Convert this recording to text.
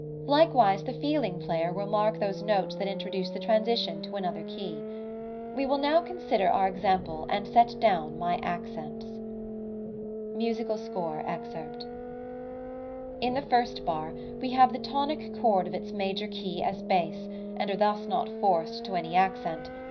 Likewise the feeling player will mark those notes that introduce the transition to another key. We will consider now our example and set down my accents: [Musical score excerpt] In the first bar we have the tonic chord of its major key as bass, and are thus not forced to any accent.